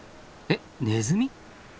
えっネズミ？